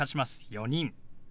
「４人」。